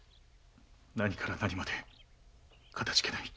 何から何までかたじけない。